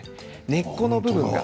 根っこの部分が。